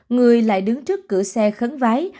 người lại đứng trước cửa xe khấn vái